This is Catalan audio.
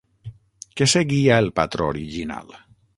Què seguia el patró original?